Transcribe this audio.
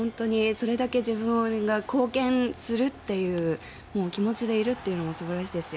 それだけ自分が貢献するっていう気持ちでいるっていうのも素晴らしいですし